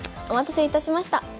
お待たせいたしました。